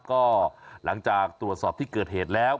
ก็หลังจากตรวจสอบที่เกิดเหตุแล้ว